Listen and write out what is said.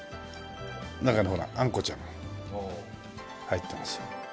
中にほらあんこちゃんが入ってますよ。